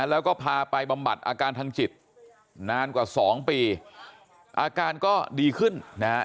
แล้วก็พาไปบำบัดอาการทางจิตนานกว่าสองปีอาการก็ดีขึ้นนะฮะ